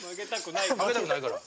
負けたくないから。